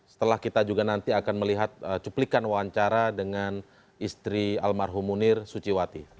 setelah kita juga nanti akan melihat cuplikan wawancara dengan istri almarhum munir suciwati